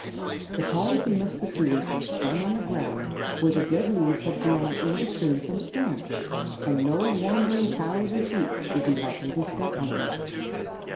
The Polyphemus cocoons were spun on the ground where the dead leaves had blown in between some stones, and no wandering Cows or Sheep would be likely to step on them.